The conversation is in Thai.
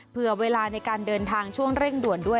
เผื่อเวลาในการเดินทางช่วงเร่งด่วนด้วย